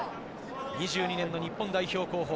２２年の日本代表候補。